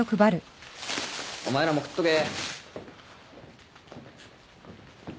お前らも食っとけ。